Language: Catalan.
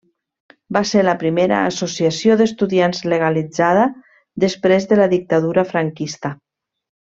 Va ser la primera associació d'estudiants legalitzada després de la dictadura franquista.